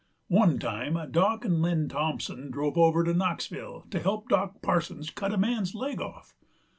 One time Dock 'nd Lem Thompson drove over to Knoxville to help Dock Parsons cut a man's leg off.